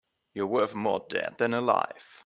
You're worth more dead than alive.